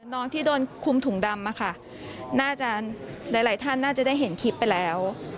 น้องที่โดนคุมถุงดำอะค่ะน่าจะหลายท่านน่าจะได้เห็นคลิปไปแล้ว